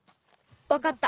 わかった。